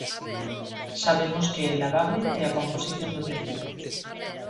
Sabemos que é lavable e a composición do tecido.